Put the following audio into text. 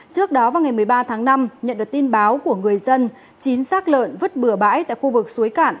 trước đó vào ngày một mươi ba tháng năm nhận được tin báo của người dân chín xác lợn vứt bừa bãi tại khu vực suối cạn